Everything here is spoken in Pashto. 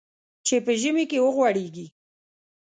چې په ژمي کې وغوړېږي .